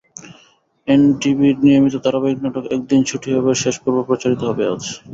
এনটিভির নিয়মিত ধারাবাহিক নাটক একদিন ছুটি হবে-এর শেষ পর্ব প্রচারিত হবে আজ।